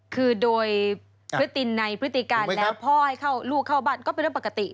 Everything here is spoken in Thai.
คือโดยพฤตินในพฤติการแล้วพ่อให้ลูกเข้าบ้านก็เป็นเรื่องปกติ